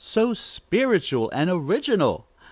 so spiritual and original!